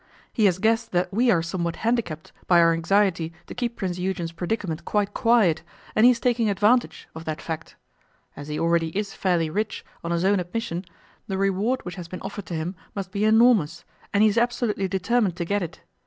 He has guessed that we are somewhat handicapped by our anxiety to keep Prince Eugen's predicament quite quiet, and he is taking advantage, of that fact. As he already is fairly rich, on his own admission, the reward which has been offered to him must be enormous, and he is absolutely determined to get it.